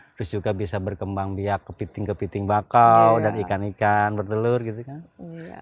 terus juga bisa berkembang biak kepiting kepiting bakau dan ikan ikan bertelur gitu kan